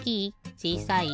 ちいさい？